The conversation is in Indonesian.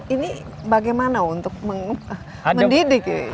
ini bagaimana untuk mendidik